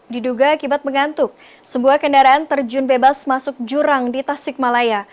diduga akibat mengantuk sebuah kendaraan terjun bebas masuk jurang di tasikmalaya